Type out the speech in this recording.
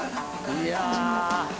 いや。